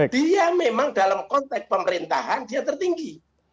dia memang dalam konteks pemerintahan dia tertinggi